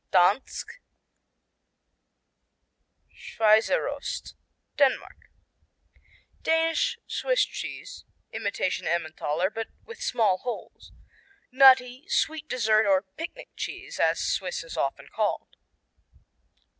Dansk Schweizerost Denmark Danish Swiss cheese, imitation Emmentaler, but with small holes. Nutty, sweet dessert or "picnic cheese," as Swiss is often called.